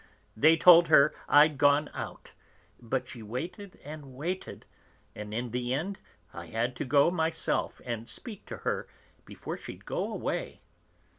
They told her I'd gone out, but she waited and waited, and in the end I had to go myself and speak to her, before she'd go away.